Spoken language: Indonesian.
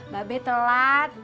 mbak be telat